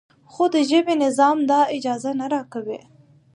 خو د ژبې نظام دا اجازه نه راکوي.